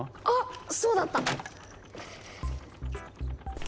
あっそうだった！